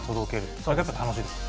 それがやっぱ楽しいですか？